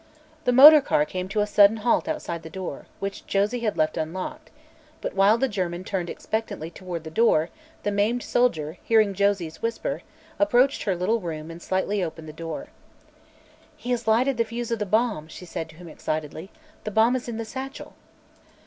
The motor car came to a sudden halt outside the door, which Joe had left unlocked; but while the German turned expectantly toward the door the maimed soldier, hearing Josie's whisper, approached her little room and slightly opened her door. "He has lighted the fuse of the bomb," she said to him excitedly. "The bomb is in the satchel!"